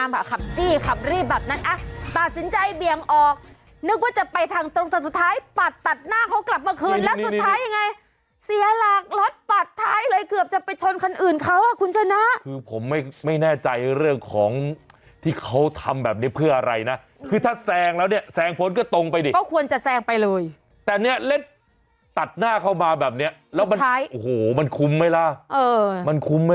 ว่าคืนไปมันก็อาจจะทำให้เราพลาดท่าได้นะครับ